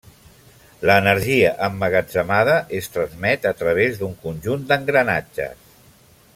L'energia emmagatzemada es transmet a través d'un conjunt d'engranatges.